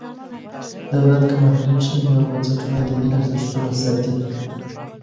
دولت که محدود شي نور بنسټونه دیني ارزښتونه ساتي.